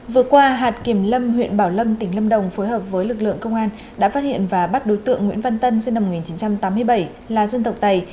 vừa qua hạt kiểm lâm huyện bảo lâm tỉnh lâm đồng phối hợp với lực lượng công an đã phát hiện và bắt đối tượng nguyễn văn tân sinh năm một nghìn chín trăm tám mươi bảy là dân tộc tài